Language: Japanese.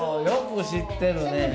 よく知ってるね！